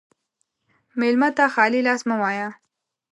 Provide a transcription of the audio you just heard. مېلمه ته خالي لاس مه وایه.